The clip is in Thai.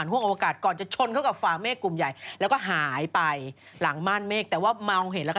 ท้องปูท้องร่วงอะไรนี้สลับกันไปมา